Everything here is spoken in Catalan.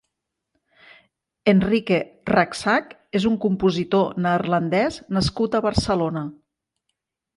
Enrique Raxach és un compositor neerlandès nascut a Barcelona.